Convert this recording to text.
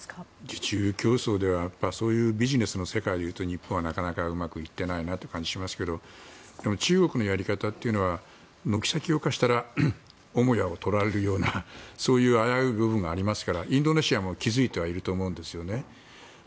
受注競争ではビジネスの世界で言うと日本はなかなかうまくいってないなという感じがしますがでも中国のやり方というのは軒先を貸したら母屋を取られるようなそういう危うい部分がありますからインドネシアも気付いてはいると思うんですね。